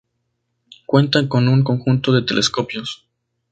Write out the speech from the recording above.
Cuenta con un conjunto de telescopios.